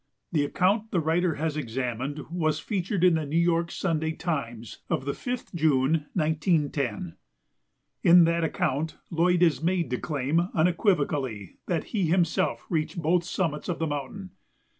The account the writer has examined was "featured" in the New York Sunday Times of the 5th June, 1910. In that account Lloyd is made to claim unequivocally that he himself reached both summits of the mountain.